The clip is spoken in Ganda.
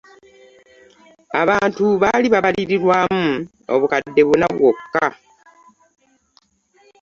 Abantu baali babalirirwamu obukadde buna bwokka.